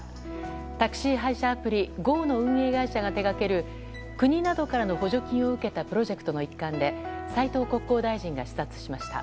タクシー配車アプリＧＯの運営会社が手掛けるプロジェクトの一環で斉藤国交大臣が視察しました。